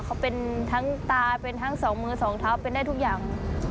เขาเป็นทั้งตาเป็นทั้งสองมือสองเท้าเป็นได้ทุกอย่าง